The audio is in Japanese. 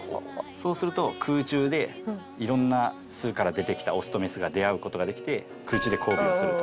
そうすると空中でいろんな巣から出てきたオスとメスが出合う事ができて空中で交尾をすると。